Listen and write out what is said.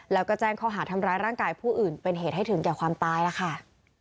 แล้วก็แจ้งข้อหาทำร้ายร่างกายผู้อื่นเป็นเหตุให้ถึงแก่ความตายแล้วค่ะ